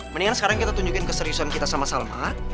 mendingan sekarang kita tunjukin keseriusan kita sama sama